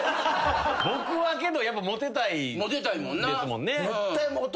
僕はけどやっぱモテたいですもんね。